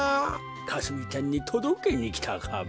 かすみちゃんにとどけにきたカメ。